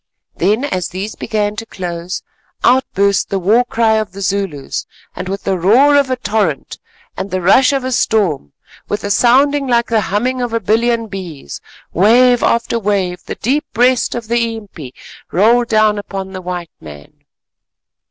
Then as these began to close, out burst the war cry of the Zulus, and with the roar of a torrent and the rush of a storm, with a sound like the humming of a billion bees, wave after wave the deep breast of the impi rolled down upon the white men.